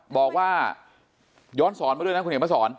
บอกว่าย้อนสอนมาด้วยนะคุณเห็นมาสอน